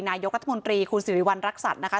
นายกรัฐมนตรีคุณสิริวัณรักษัตริย์นะคะ